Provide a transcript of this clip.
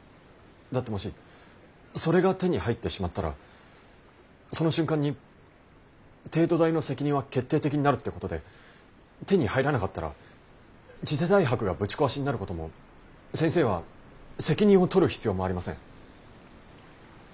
だってもしそれが手に入ってしまったらその瞬間に帝都大の責任は決定的になるってことで手に入らなかったら次世代博がぶち壊しになることも先生は責任を取る必要もありません。